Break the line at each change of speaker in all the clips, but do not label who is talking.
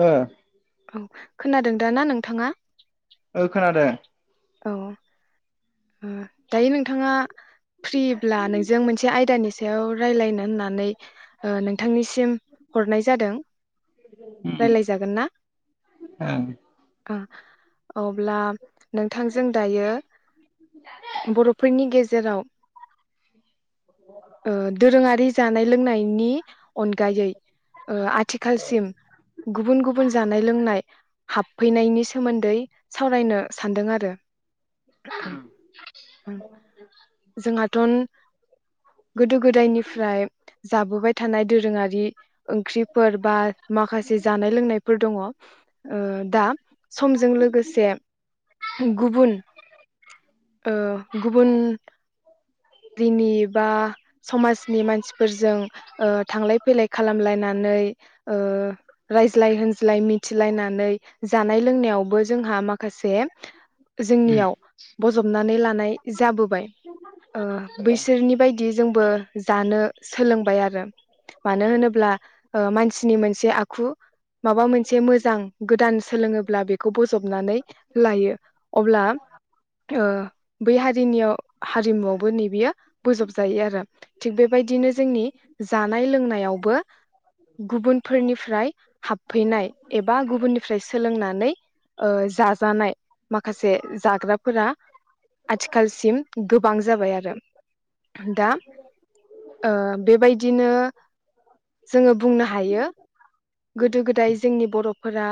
ओ
औ खोनादोंदा ना नोंथाङा
ओ खोनादों
औ। ओ दायो नोंथाङा। फ्रिब्ला नोंजों मोनसे आयदानि सा सायाव रायज्लायनो होननानै ओ नोंथांनिसिम। हरनाय जादों।
उम
रायलाय जागोन ना।
ओं
अब्ला नोंथांजों दायो। बर'फोरनि गेजेराव। ओ दोरोङारि जानाय लों लोंनाइनि अनगायै ओ आथिखालसिम गुबुन गुबुन जानाय लोंनाय हाबफैनायनि सोमोन्दै। सावरायनो सान्दों आरो। आ। जोंहाथ' गोदो-गोदायनिफ्राय जाबोबाय थानाय दोरोङारि। ओंख्रिफोर बा माखासे जानाय लोंनायफोर ओ दङ दा समजों लोगोसे। गुबुन। ओ गुबुन हारिनि बा समाजनि मानसिफोरजों थांलाय-फैलाय खालामलायनानै रायज्लाय होनज्लाय मिथिलायनानै जानाय लोंनायावबो जोंहा माखासे जोंनियाव। बजबनानै लानाय जाबोबाय। ओ
ओ
बैसोरनि बादिब्ला। बिदि जोंबो जानो। सोलोंबाय आरो, मानो होनोब्ला? मानसि मानसिनि मोनसे आखु माबा मोनसे मोजां गोदान सोलोङोब्ला बेखौ बजबनानै लायो अब्ला ओ बै हारिनियाव हारिमुआवबो नै बेयो बोजब जायो आरो थिग बेबायदिनो जोंनि जानाय लोंनायावबो गुबुनफोरनिफ्राय। हाबफैनाय एबा गुबुननि सोलोंनानै जाजानाय माखासे जाग्राफोरखौ फोरा आथिखालसिम गोबां जाबाय आरो दा ओ बेबायदिनो जोङो बुंनो हायो। गोदो-गोदाय जोंनि बर'फोरा,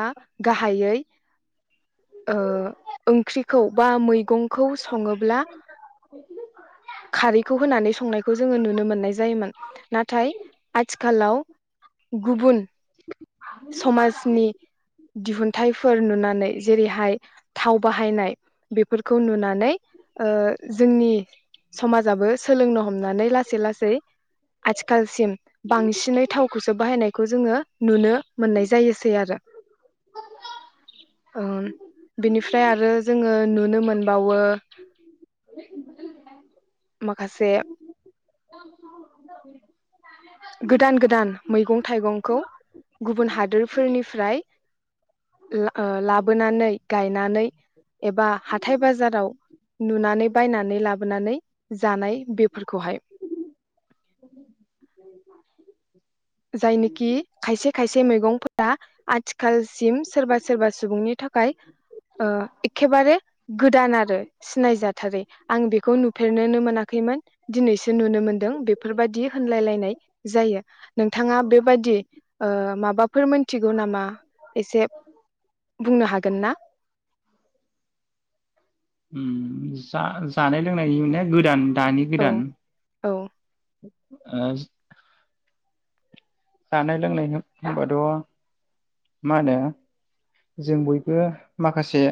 गाहायै ओंख्रिखौ बा मैगंखौ सङोब्ला खारैखौ होनानै संनायखौ जोङो नुनो मोननाय जायोमोन नाथाय आथिखालाव गुबुन समाजनि दिहुनथाइफोर नुनानै जेरैहाय थाव बाहायनाय बेफोरखौ नुनानै ओ जोंनि समाजाबो सोलोंनो हमनानै लासै-लासै आथिखालसिम बांसिनै थावखौसो बाहायनायखौ जोङो। नुनो मोननाय जायोसै आरो। ओम बेनिफ्राय आरो जोङो नुनो मोनबावो, माखासे गोदान-गोदान मैगं-थाइगंखौ, गुबुन हादोरफोरनिफ्राय लाबोनानै गायनानै एबा हाथाय बाजाराव नुनानै बायनानै लाबोनानै जानाय बेफोरखौहाय। जायनिखि खायसे-खायसे मैगंफोरा, आथिखालसिम सोरबा-सोरबा सुबुंनि थाखाय एखेबारे गोदान आरो। सिनायजाथारै आं बेखौ नुफेरनोनो मोनाखैमोन दिनैसो नुनो मोनदों बेफोरबायदि होनलायलायनाय जायो। नोंथाङा बेबायदि ओ माबाफोर मोनथिगौ नामा? एसे? बुंनो हागोन ना? [inaudible]
ओम जा जानाय लोंनायनि ना गोदान? दानि
औ
गोदान
औ
ओ जानाय-लोंनाय होनबाथ' मा होनो जों बयबो माखासे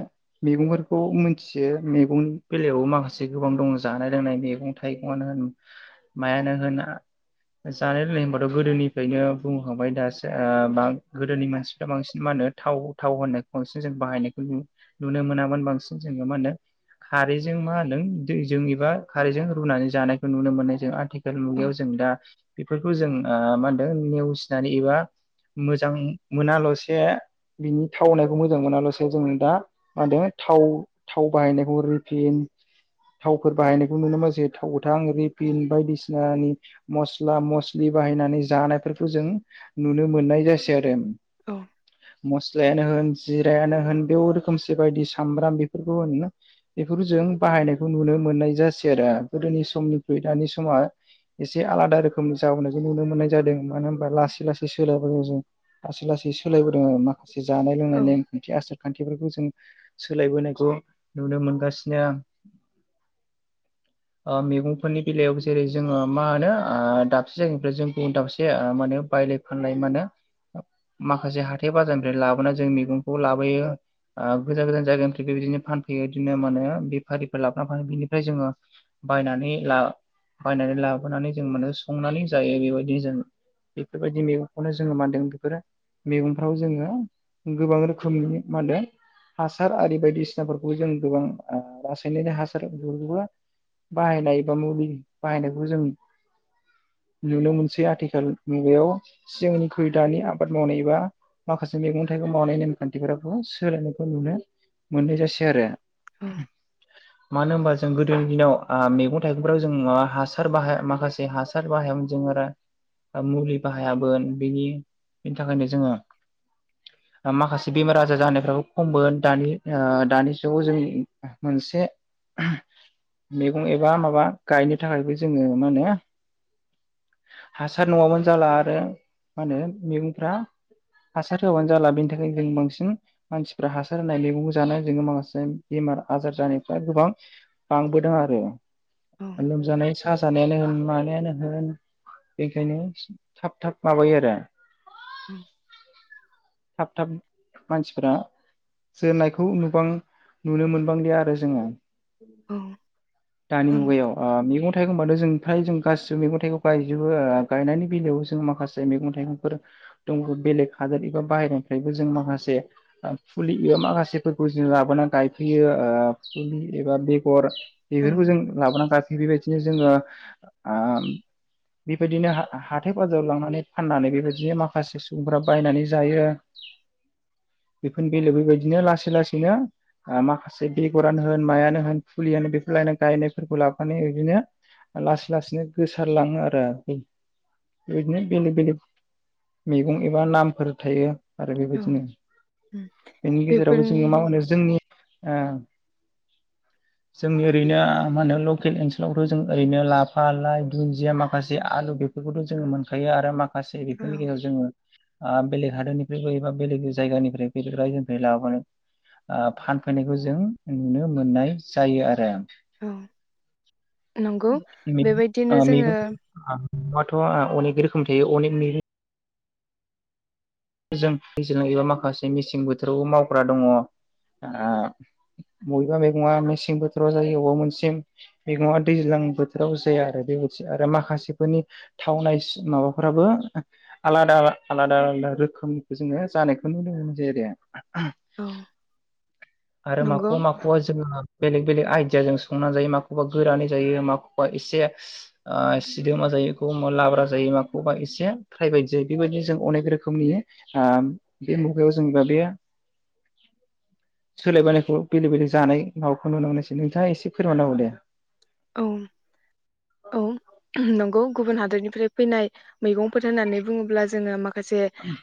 मैगंफोरखौ मोनथियो मैगंनि बेलायावबो माखासे गोबां दंङ जानाय लोंनाय मैगं-थाइगंवानो होन मायानो होना जानाय लोंनाय होनबाथ' गोदोनि ओैनो बुंखांबाय दासो गोदोनि मानसिफ्रा बांसिन मा होनो थाव थाव होनायखौ बांसिन जों बाहायनायखौ नुनो मोनामोन बांसिन जोङो मा होनो खारैजों मा होनदों दै जों एबा खारैजों रुनानै जानायखौ नुनो मोननाय जों आथिखालाव आथिखाल
औ
मुगायाव जों दा बेफोरखौ जों ओ मा होनो नेवसिनानै एबा मोजां मोनालासे बेनि थावनायखौ मोजां मोनालासे जों दा थाव बाहायनायखौ थावफोर बाहायनायखौ नुनो मोनसै थाव गोथां रिफाइन, मसला-मसलि बाहायनानै जों जानायफोरखौ जों नुनो मोननाय जासै आरो
औ
[unintelligible] फुजायानो होन जिरायानो होन बेव रोखोमसे बायदि सामब्राम बेफोरखौ होन बेफोर जों बाहायनायखौ नुनो मोननाय जासै आरो गोदोनि समनिख्रुइ दानि समा एसे आलादा रोखोमनि जाबोनायखौ नुनो मोननाय जादों मानो होनबा लासै-लासै सोलायबोदों जों लासै-लासै सोलायबोदों आरो मा माखासे जानाय लोंनाय
औ
नेमखान्थि आसारखान्थि फोरखौ जों सोलायबोनायखौ नुनो मोनगासिनो ओ मैगंफोरनि बेलायाव जेरै जोंङो मा होनो ओ दाबसे जायगानिफ्राय जों गुबुन दाबसे माने बायलाय फानलाय माने माखासे हाथाय बाजारनिफ्राय लाबोना जों मैगंखौ लाबोयो ओ गोजान गोजान जायगानिफ्राय बिबादिनो फानफैयो बिदिनो माने बेफारिफोर लाबोनानै फानो बिनिफ्राय जोंङो बायनानै ला बायनानै लाबोनानै जों माने संनानै जायो बेबाय दि बेफोरबायदि मैगंखौनो जोंङो मा होनदों बेफोरो मेगंफ्राव जोंङो गोबां रोखोमनि मा होन हासार आरि बायदिसिनाफोरखौ जों गोबां रासायनारि हासार बाहायनाय एबा मुलि बाहायनायखौ जों नुनो मोन सै आथिखाल मुगायाव जोंनिख्रुइ दानि आबाद मावनाय एबा माखासे मैगं थाइगं मावनाय नेमखान्थिफोराबो सोलायनायखौ नुनो मोननाय जासै आरो।
औ
[unintelligible] मानो होनबा जों गोदोनि दिनाव आ मैगं थाइगंफोराव जों मा हासार बाहाया माखासे हासार बाहायमोन जोङो मुलि बाहायामोन बेनि बेनि थाखायनो जोंङो माखासे बेमार आजार जानायफ्राबो खममोन दानि ओ दानि जुगाव जों मोनसे मैगं एबा माबा गायनो थाखायबो जोंङो मा होनो हासार नंङाबानो जाला आरो मा होनो मैगंफ्रा हासार होआबानो जाला बेनि थाखायनो जों बांसिन मानसिफ्रा हासार होनाय मैगं जानाय जोंङो माखासे बेमार आजार जानायफ्रा गोबां बांबोदों आरो। लोमजानाय सा जानायानो होन मानायानो होन। बेखायनो थाब थाब माबायो आरो
उम।
थाब थाब मानसिफ्रा जोरनायखौ नुबां नुनो मोनबांलिया आरो जोंङो। दानि
औ
मुगायाव मैगं थाइगंबाथ जों ओमफ्राय जों गासिबो मैगं थाइगं बायजोबो गायनायनि बेलायाव जों माखासे मैगं थाइगंफोर दं बेलेग हादोर एबा बाहेरानिफ्रायबो जों माखासे फुलि माखासेफोरखौ जों लाबोना गायफैयो। ओ फुलि एबा बे गर
औ
बेफोरखौ जों लाबोना गायफैयो बेबायदि बिदिनो जोंङो ओ बेबायदिनो हाथाय बाजाराव लांनानै फाननानै बेबायदिनो माखासे सुबुंफ्रा बायनानै जायो बेफोरनि बेलायाव बेबायदिनो लासै लासैनो ओ माखासे बेगरानो होन मायानो होन फुलियानो बेफोर लायनानै गायनायफोरखौ लाफानानै बिदिनो लासै लासैनो गोस सारलाङो आरो बेदिनो बेलेग बेलेक मैगं एबा नामफोर थायो। आरो
औ
बेबायदिनो बेनि गेजेरावबो
बेफोरनि
जोंङो मा होनो जोंनि ओ जोंनि ओरैनो मा होनो लकेल ओनसोलावथ' जों ओरैनो लाफा लाइ दुन्दिया माखासे आलु बेफोरखौथ' जोङो मोनखायो आरो माख खासे
औ
बेफोरनि गेजेराव जोङो ओ बेलेग हादर निफ्रायबो एबा बेलेग जायगा निफ्राय बेलेग रायजो निफ्राय लाबानो ओ फानफै नायखौ जों नुनो मोननाय जायो आरो।
औ नंगौ बेबायदि
ओ मैगं आथ' अनेग रो खोम थायो अनेक मैगं जों दैज्लां एबा माखासे मेसें बोथोरावबो मावग्रा दङ आ बबेबा मैगङा मेसें बोथोराव जायो बबेबा मोनसे मैगङा दैज्लां बोथोराव जाया आरो बेबायदि आरो माखासे फोरनि थावनाय माबाफोराबो आलादा आलादा आलादा रोख रोखोम निखौ जोङो जानायखौ नुनो मोन
औ
[inaudible] आरो
नंगौ
माखौबा माखौबा जोङो बेलेग बेलेग आइदियाजों संनानै जायो माखौबा गोरानै जायो माखौबा एसे ओ सिदोमा जायो एखौबा लाब्रा जायो माखौबा एसे फ्राइबायदि जायो बेबायदि जों अनेक रोखोमनि आ बे मुगायाव जों दा बे सोलाय बोनायखौ बेले बेजे जानानै माबाखौ नुनोसै नोंथाङा एसे फोरमाना हो दे।
औ औ नंगौ। गुबुन हादोर निफ्राय फैनाय मैगंफोर होननानै बुङोब्ला जोङो माख माखासे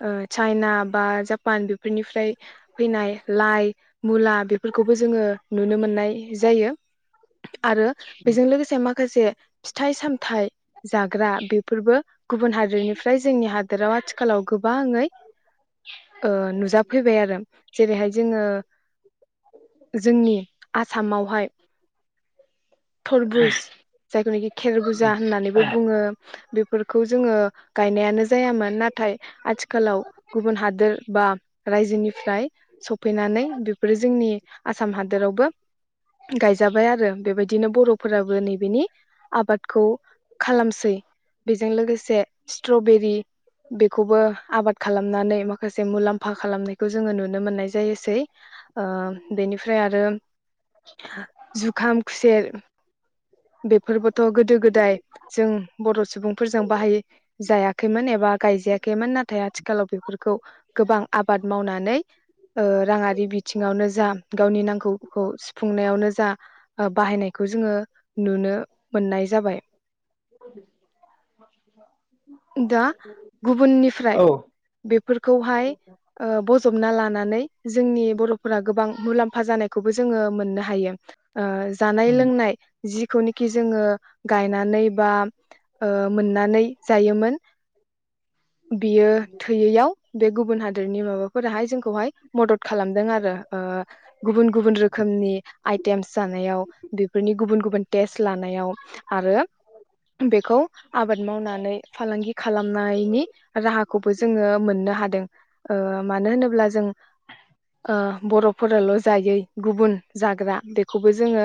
ओ चायना बा जापान बेफोर निफ्राय फैनाय लाइ मुला बेफोरखौबो जोङो नुनो मोननाय जायो। आरो बेजों लोगोसे मा माखासे फिथाइ सामथाइ जाग्रा बेफोरबो गुबुन हादोर निफ्राय जोंनि हादोराव आथिखालाव गोबाङै ओ नुजा फैबाय आरो जेरैहाय जोङो जोंनि आसामाव हाय बुज जायखौ नाखि खेर बुजा होननानैबो बुङो। बेफोरखौ जोङो गायनायानो जायामोन नाथाय आथिखालाव गुबुन हादोर बा रायजो निफ्राय सफैनानै बेफोरो जोंनि आसाम हादोरावबो गायजाबाय आरो बेबायदिनो बर' फोराबो नैबेनि आबादखौ खालामसै बेजों लोगोसे स्ट्र बेरि बेखौबो आबाद खालामनानै माखासे मुलाम्फा खालामनायखौ जोङो नुनो मोननाय जायोसै। ओ बेनिफ्राय आरो जुखाम खुसेर बेफोरबोथ गोदो गोदाय जों बर सुबुं फोरजों बाहाय जायाखैमोन एबा गाय जायाखैमोन नाथाय आथिखालाव बेफोरखौ गोबां आबाद मावनानै ओ राङारि बिथिङावनो जा गावनि नां गौखौ सुफुंनायावनो जा बाहायनाय खौ जोङो नुनो मोननाय जाबाय।
औ [inaudible]
दा गुबुन निफ्राय
औ
बे फोरखौहाय ओ बजबना लानानै जोंनि बर'फोरा गोबां मुलाम्फा जानायखौबो जोङो मोननो हायो। ओ जानाय लोंनाय जि बेखौनोखि जोङो गायनानै बा ओ मोननानै जायोमोन। बियो थैयैयाव बे। गुबुन हादोरनि माबाफोराहाय जोंखौहाय मदद खालामदों आरो गुबुन गुबुन रोखोमनि आइटेमस जानायाव बेफोरनि गुबुन गुबुन टेस्ट लानायाव आरो बेखौ आबाद मावनानै। खालामनायनि राहाखौबो जोङो मोननो हादों ओ मानो होनोब्ला जों। ओ बरफोराल जायै गुबुन जाग्रा बेखौबो जोङो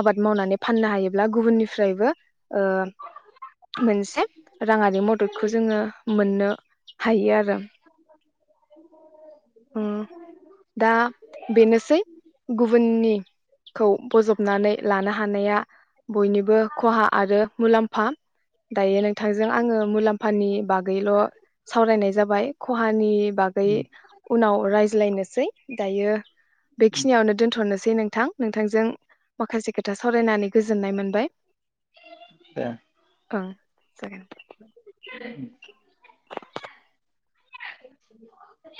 आबाद मावनानै फाननो हायोब्ला गुबुननिफ्रायबो मोनसे। राङारि मददखौ जोङो मोननो हायो आरो। उम
[inaudible]
दा बेनोसै गुबुननिखौ बजबनानै लानो हानाया बयनिबो खहा आरो मुलाम्फा दायो नों। बिथांजों आङो मुलाम्फानि बागैल सावरायनाय जाबाय खहानि। बागै। उनाव रायज्लायनोसै दायो। बेखिनियावनो दोनथनोसै नों। नोंथां नोंथांजों माखासे खोथा सावरायनानै गोजोननाय मोनबाय
दे।
ओं। जागोन।
[inaudible] [inaudible]